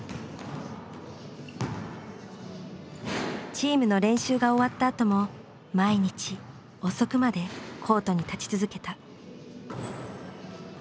チームの練習が終わったあとも毎日遅くまでコートに立ち続けた。